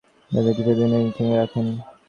তিনি তাদেরকে কিছুদিন নিজের সঙ্গে রাখেন।